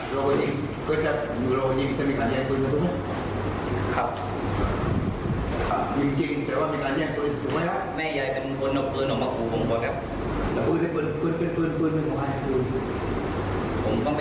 โทรมาเรื่องกับความให้ผมไปทำอย่างนี้ครับ